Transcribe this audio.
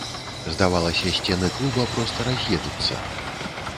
Здавалася, сцены клуба проста раз'едуцца.